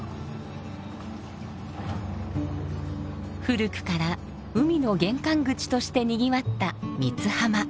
古くから海の玄関口としてにぎわった三津浜。